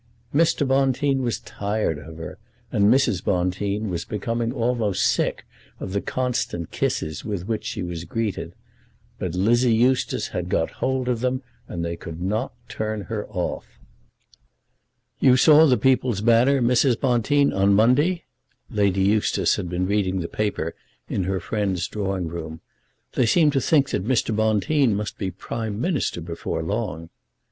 Mr. Bonteen was tired of her, and Mrs. Bonteen was becoming almost sick of the constant kisses with which she was greeted; but Lizzie Eustace had got hold of them, and they could not turn her off. "You saw The People's Banner, Mrs. Bonteen, on Monday?" Lady Eustace had been reading the paper in her friend's drawing room. "They seem to think that Mr. Bonteen must be Prime Minister before long."